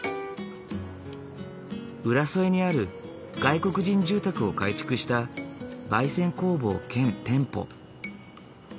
浦添にある外国人住宅を改築した焙煎工房兼店舗。